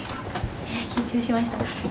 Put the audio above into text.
緊張しました。